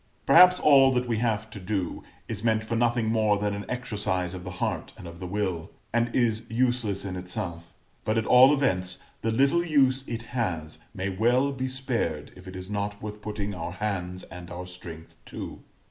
Perhaps all that we have to do is meant for nothing more than an exercise of the heart and of the will, and is useless in itself; but, at all events, the little use it has may well be spared if it is not worth putting our hands and our strength to.